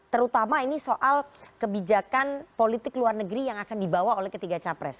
terutama ini soal kebijakan politik luar negeri yang akan dibawa oleh ketiga capres